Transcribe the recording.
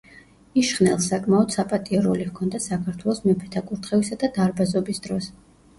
იშხნელს საკმაოდ საპატიო როლი ჰქონდა საქართველოს მეფეთა კურთხევისა და დარბაზობის დროს.